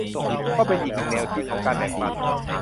ก็เป็นอีกหนึ่งแนวคิดของการแบ่งปัน